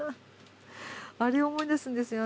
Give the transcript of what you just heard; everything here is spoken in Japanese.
あれを思い出すんですよ。